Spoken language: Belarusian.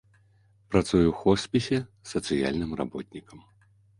Працуе ў хоспісе сацыяльным работнікам.